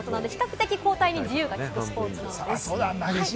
比較的、交代に自由がきくスポーツです。